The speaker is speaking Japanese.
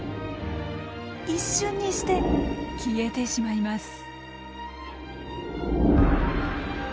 一瞬にして消えてしまいます。